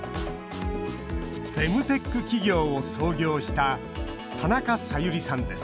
フェムテック企業を創業した田中彩諭理さんです